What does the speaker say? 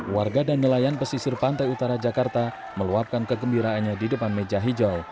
warga dan nelayan pesisir pantai utara jakarta meluapkan kegembiraannya di depan meja hijau